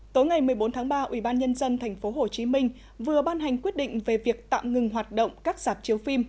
tối ngày một mươi bốn tháng ba ubnd tp hcm vừa ban hành quyết định về việc tạm ngừng hoạt động các sạp chiếu phim